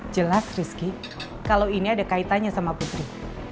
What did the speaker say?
jelas rizky kalau ini ada kaitannya sama putri